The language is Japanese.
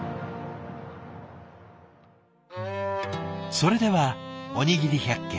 それではおにぎり百景。